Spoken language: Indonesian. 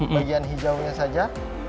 bagian hijaunya saja